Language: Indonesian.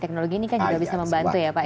teknologi ini kan juga bisa membantu ya pak